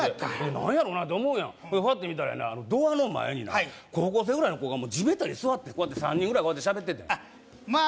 何やろなって思うやんそれでファッと見たらやなドアの前にな高校生ぐらいの子が地べたに座ってこうやって３人ぐらいこうやって喋っててんまあ